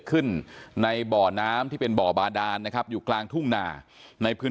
ขึ้นในบ่อน้ำที่เป็นบ่อบาดานนะครับอยู่กลางทุ่งนาในพื้น